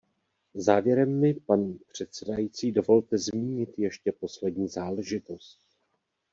Závěrem mi, paní předsedající, dovolte zmínit ještě poslední záležitost.